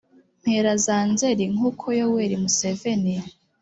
mpera za nzeri nkuko yoweri museveni